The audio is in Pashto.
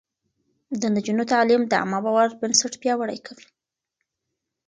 د نجونو تعليم د عامه باور بنسټ پياوړی کوي.